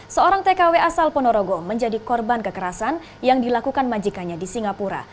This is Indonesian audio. seorang tkw asal ponorogo menjadi korban kekerasan yang dilakukan majikanya di singapura